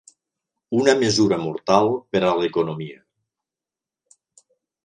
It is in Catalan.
Una mesura mortal per a l'economia.